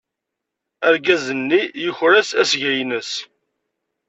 Argaz-nni yuker-as asga-nnes.